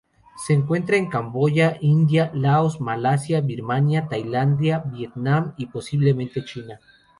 Se encuentra en Camboya, India, Laos, Malasia, Birmania, Tailandia, Vietnam y posiblemente China.